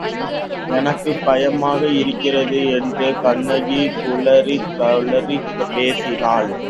எனக்குப் பயமாக இருக்கிறது என்று கண்ணகி குழறிக் குழறிப் பேசினாள்.